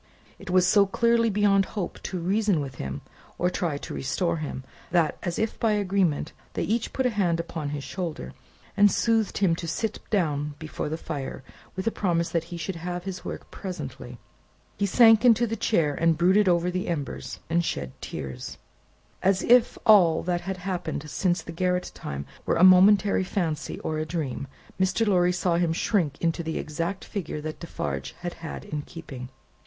It was so clearly beyond hope to reason with him, or try to restore him, that as if by agreement they each put a hand upon his shoulder, and soothed him to sit down before the fire, with a promise that he should have his work presently. He sank into the chair, and brooded over the embers, and shed tears. As if all that had happened since the garret time were a momentary fancy, or a dream, Mr. Lorry saw him shrink into the exact figure that Defarge had had in keeping.